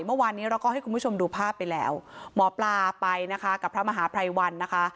เมื่อวานนี้เราก็ให้คุณผู้ชมดูภาพไปแล้วหมอปลาไปนะคะกับพระมหาภัยวันนะคะ